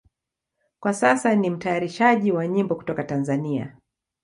Kwa sasa ni mtayarishaji wa nyimbo kutoka Tanzania.